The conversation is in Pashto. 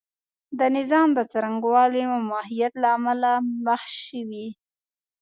د نظام د څرنګوالي او ماهیت له امله مخ شوې.